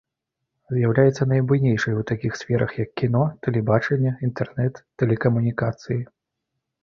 З'яўляецца найбуйнейшай у такіх сферах, як кіно, тэлебачанне, інтэрнэт, тэлекамунікацыі.